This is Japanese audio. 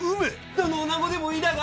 どの女子でもいいだが。